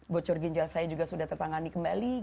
bocor ginjal saya juga sudah tertangani kembali